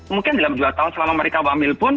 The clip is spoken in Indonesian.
mungkin dalam dua tahun selama mereka wamil pun